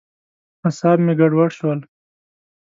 اعصاب مې ګډوډ شول.